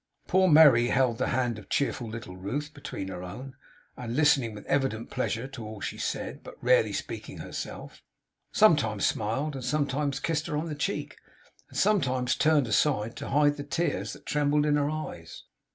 Poor Merry held the hand of cheerful little Ruth between her own, and listening with evident pleasure to all she said, but rarely speaking herself, sometimes smiled, and sometimes kissed her on the cheek, and sometimes turned aside to hide the tears that trembled in her eyes.